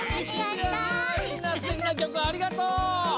みんなすてきなきょくをありがとう！